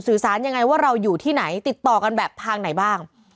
สื่อสารยังไงว่าเราอยู่ที่ไหนติดต่อกันแบบทางไหนบ้าง